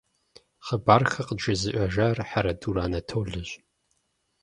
Хъыбархэр къыджезыӀэжар Хьэрэдурэ Анатолэщ.